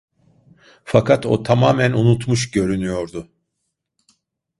Fakat o tamamen unutmuş görünüyordu.